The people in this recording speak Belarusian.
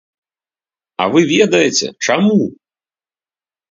А вы ведаеце, чаму?